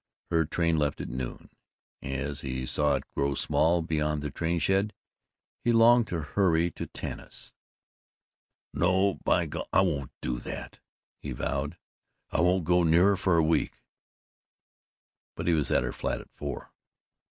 Her train left at noon. As he saw it grow small beyond the train shed he longed to hurry to Tanis. "No, by golly, I won't do that!" he vowed. "I won't go near her for a week!" But he was at her flat at four.